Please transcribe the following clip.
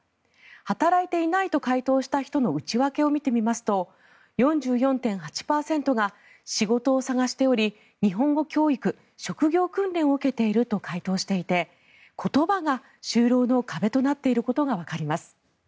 働いていないと回答した人の内訳を見てみますと４４．８％が仕事を探しており日本語教育職業訓練を受けていると回答していて言葉が就労の壁となっていることがわかります。